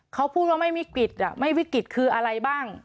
เขาพูดว่าไม่วิกฤตไม่วิกฤตคืออะไรบ้าง